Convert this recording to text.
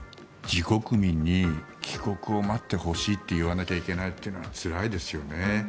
自国民に帰国を待ってほしいと言わなきゃいけないというのはつらいですよね。